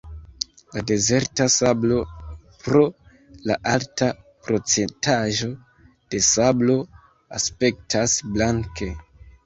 La dezerta sablo pro la alta procentaĵo de sablo aspektas blanke.